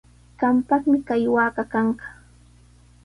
Qampaqmi kay waaka kanqa.